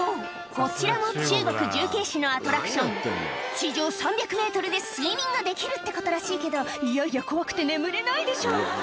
こちらも中国重慶市のアトラクション地上３００ｍで睡眠ができるってことらしいけどいやいや怖くて眠れないでしょ